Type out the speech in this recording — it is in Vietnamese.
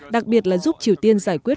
đặc biệt là giúp triều tiên giải quyết